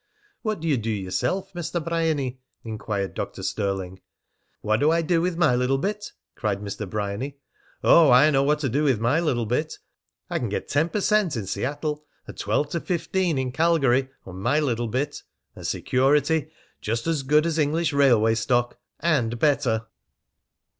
"What d'ye do yeself, Mr. Bryany?" inquired Dr. Stirling. "What do I do with my little bit?" cried Mr. Bryany. "Oh, I know what to do with my little bit. I can get ten per cent. in Seattle, and twelve to fifteen in Calgary, on my little bit; and security just as good as English railway stock and better."